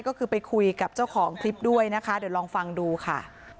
ก็คือไปคุยกับเจ้าของคลิปด้วยนะคะเดี๋ยวลองฟังดูค่ะ